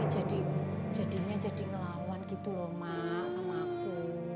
tapi jadinya jadi ngelawan gitu loh emak sama aku